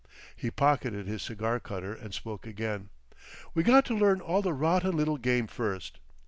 He pocketed his cigar cutter and spoke again. "We got to learn all the rotten little game first.